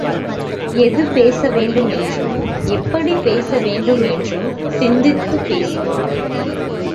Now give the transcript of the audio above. எது பேசவேண்டும் என்றும், எப்படிப் பேசவேண்டும் என்றும் சிந்தித்துப் பேசுவார்.